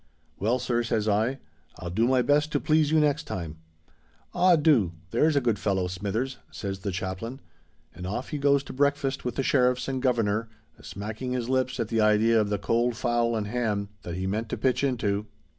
_'—'Well, sir,' says I, 'I'll do my best to please you next time.'—'Ah! do, there's a good fellow, Smithers,' says the Chaplain; and off he goes to breakfast with the Sheriffs and governor, a smacking his lips at the idea of the cold fowl and ham that he meant to pitch into.